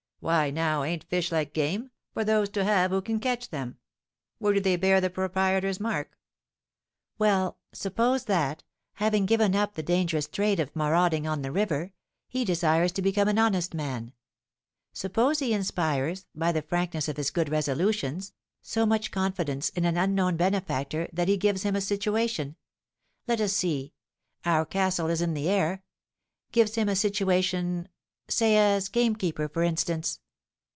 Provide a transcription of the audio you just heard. Why, now, ain't fish like game, for those to have who can catch them? Where do they bear the proprietor's mark?" "Well, suppose that, having given up the dangerous trade of marauding on the river, he desires to become an honest man; suppose he inspires, by the frankness of his good resolutions, so much confidence in an unknown benefactor that he gives him a situation, let us see, our castle is in the air, gives him a situation say as gamekeeper, for instance.